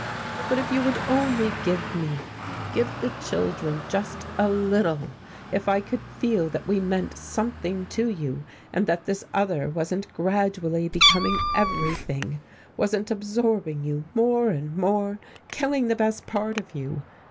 But if you would only give me give the children just a little, if I could feel that we meant something to you and that this other wasn't gradually becoming everything, wasn't absorbing you more and more, killing the best part of you.